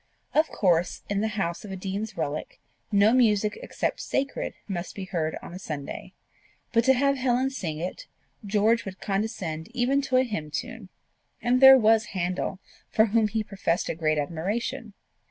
Of course, in the house of a dean's relict, no music except sacred must be heard on a Sunday; but to have Helen sing it, George would condescend even to a hymn tune; and there was Handel, for whom he professed a great admiration!